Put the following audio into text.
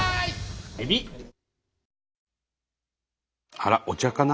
あらお茶かな？